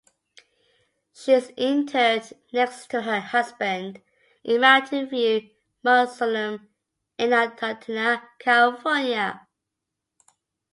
She is interred next to her husband in Mountain View Mausoleum in Altadena, California.